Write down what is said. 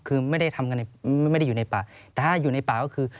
คือไม่ได้อยู่ในป่าแต่ถ้าอยู่ในป่าก็คือ